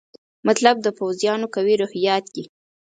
مطلب د پوځیانو قوي روحیات دي.